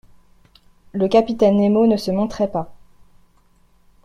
Le capitaine Nemo ne se montrait pas.